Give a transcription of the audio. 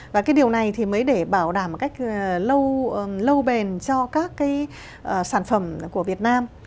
và cái điều này thì mới để bảo đảm một cách lâu bền cho các cái sản phẩm của việt nam